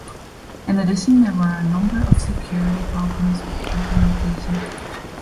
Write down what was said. In addition, there were a number of security problems with the implementation.